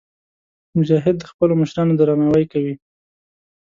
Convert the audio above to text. مجاهد د خپلو مشرانو درناوی کوي.